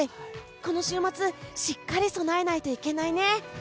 この週末、しっかり備えないといけないね。